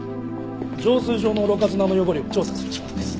浄水場のろ過砂の汚れを調査する仕事です。